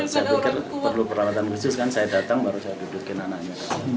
saya pikir perlu perawatan khusus kan saya datang baru saya dudukin anaknya